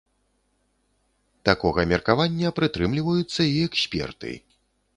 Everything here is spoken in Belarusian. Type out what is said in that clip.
Такога меркавання прытрымліваюцца і эксперты.